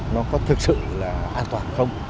nó có thực sự là an toàn không